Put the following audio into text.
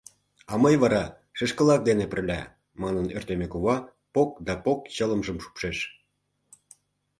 — А, мый вара, шешкылак дене пырля! — манын, Ӧртӧмӧ кува пок да пок чылымжым шупшеш.